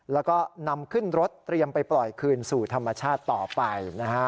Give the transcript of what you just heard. แล้วก็นำขึ้นรถเตรียมไปปล่อยคืนสู่ธรรมชาติต่อไปนะฮะ